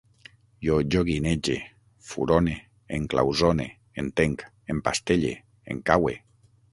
Jo joguinege, furone, enclausone, entenc, empastelle, encaue